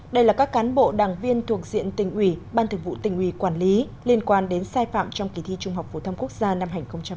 đây là các cán bộ đảng viên thuộc diện tỉnh ủy ban thực vụ tỉnh ủy quản lý liên quan đến sai phạm trong kỳ thi trung học phổ thông quốc gia năm hai nghìn một mươi tám